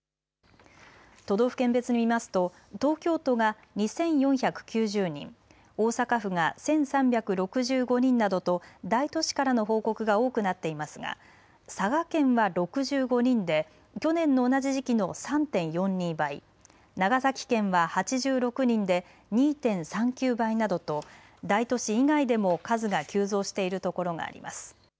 都道府県別に見ますと東京都が２４９０人、大阪府が１３６５人などと大都市からの報告が多くなっていますが佐賀県は６５人で去年の同じ時期の３．４２倍、長崎県は８６人で２．３９倍などと大都市以外でも数が急増しているところがあります。